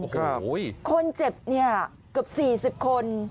คนเจ็บเกือบ๔๐คน